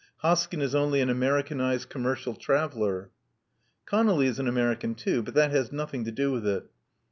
Hoskyn is only an Americanized commercial traveller." "ConoUy is an American too. But that has nothing to do with it.